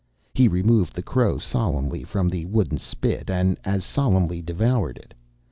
He removed the crow solemnly from the wooden spit and as solemnly devoured it.